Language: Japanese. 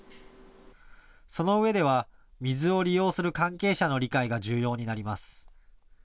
そのうえでは水を利用する関係者の理解が重要になります。